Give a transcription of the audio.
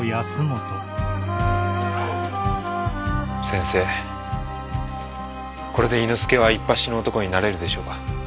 先生これで猪之助はいっぱしの男になれるでしょうか？